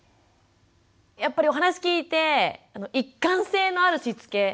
やっぱりお話聞いて一貫性のあるしつけ